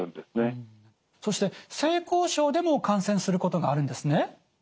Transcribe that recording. そして性交渉でも感染することがあるんですね？